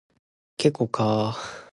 一條